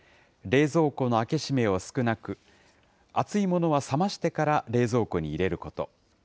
冷蔵庫の開け閉めを少なく、熱いものは冷ましてから冷蔵庫に入れること。